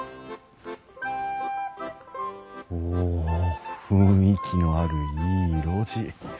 お雰囲気のあるいい路地。